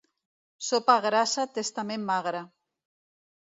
Sopa grassa, testament magre.